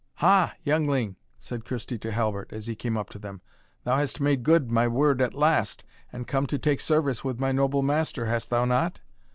"Ha, youngling!" said Christie to Halbert, as he came up to them, "thou hast made good my word at last, and come to take service with my noble master, hast thou not?